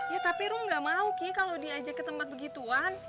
ya tapi rung gak mau ki kalau diajak ke tempat begituan